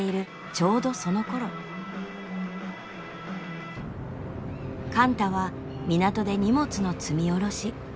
ちょうどそのころ貫多は港で荷物の積み降ろし。